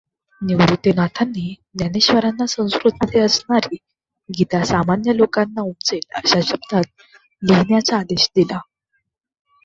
निवृत्तिनाथांनी ज्ञानेश्वरांना संस्कृतमध्ये असणारी गीता सामान्य लोकांना उमजेल अशा शब्दांत लिहिण्याचा आदेश दिला.